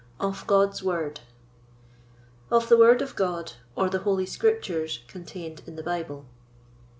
OF GOD'S WORD. Of the Word of God; or the Holy Scriptures contained in the Bible.